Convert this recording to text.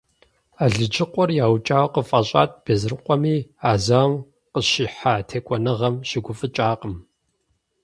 Алыджыкъуэр яукӏауэ къыфӏэщӏат Безрыкъуэми, а зауэм къыщихьа текӏуэныгъэм щыгуфӏыкӏакъым.